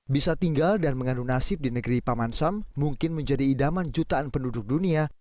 bisa tinggal dan mengandung nasib di negeri paman sam mungkin menjadi idaman jutaan penduduk dunia